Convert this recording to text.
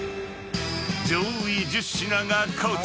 ［上位１０品がこちら］